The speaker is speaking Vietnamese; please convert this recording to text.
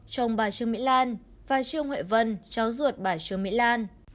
chồng bà trương mỹ lan và trương huệ vân cháu ruột bà trương mỹ lan